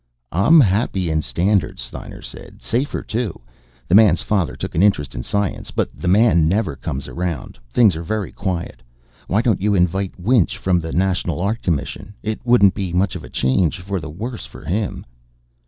"I'm happy in Standards," Steiner said. "Safer, too. The Man's father took an interest in science, but The Man never comes around. Things are very quiet. Why don't you invite Winch, from the National Art Commission? It wouldn't be much of a change for the worse for him."